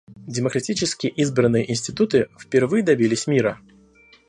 Демократически избранные институты впервые добились мира.